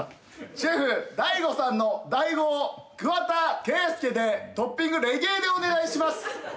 シェフＤＡＩＧＯさんのＤＡＩ語を桑田佳祐でトッピングレゲエでお願いします。